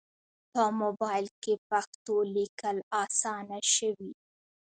په موبایل کې پښتو لیکل اسانه شوي.